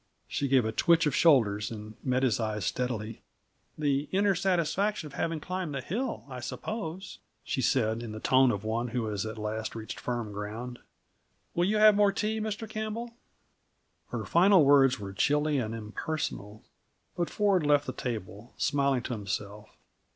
She gave a twitch of shoulders and met his eyes steadily. "The inner satisfaction of having climbed the hill, I suppose," she said, in the tone of one who has at last reached firm ground. "Will you have more tea, Mr. Campbell?" Her final words were chilly and impersonal, but Ford left the table, smiling to himself.